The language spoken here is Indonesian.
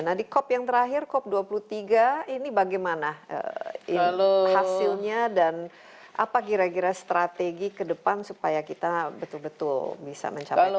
nah di cop yang terakhir cop dua puluh tiga ini bagaimana hasilnya dan apa kira kira strategi ke depan supaya kita betul betul bisa mencapai target